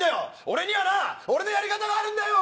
俺にはな俺のやり方があるんだよ！